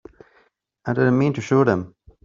I didn't mean to shoot him.